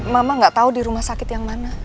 mama gak tahu di rumah sakit yang mana